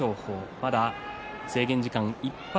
まだ制限時間いっぱい